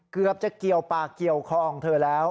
เกือบจะเกี่ยวปากเกี่ยวคอของเธอแล้ว